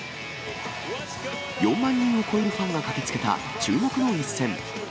４万人を超えるファンが駆けつけた注目の一戦。